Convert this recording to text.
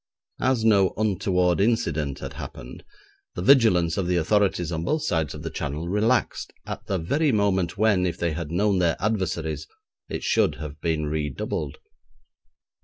As no 'untoward incident' had happened, the vigilance of the authorities on both sides of the Channel relaxed at the very moment when, if they had known their adversaries, it should have been redoubled.